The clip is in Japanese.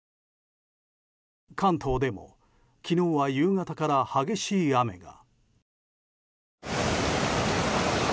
関東でも昨日は夕方から激しい雨が。